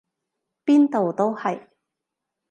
邊度都係！